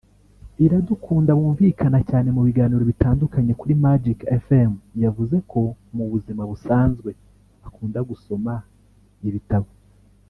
Iradukunda wumvikana cyane mu biganiro bitandukanye kuri Magic Fm yavuze ko mu buzima busanzwe akunda gusoma ibitabo